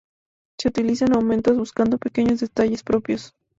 Se utilizan aumentos buscando pequeños detalles propios.